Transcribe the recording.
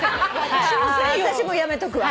ああ私もやめとくわ。